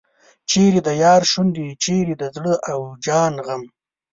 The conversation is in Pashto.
چیرې د یار شونډې چیرې د زړه او جان غم.